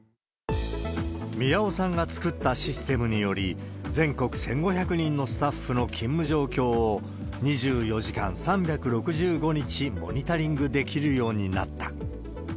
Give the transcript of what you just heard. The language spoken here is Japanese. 宮尾さんが作ったシステムにより、全国１５００人のスタッフの勤務状況を、２４時間３６５日モニタリングできるようになった。